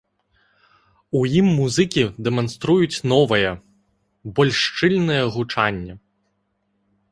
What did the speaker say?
У ім музыкі дэманструюць новае, больш шчыльнае гучанне.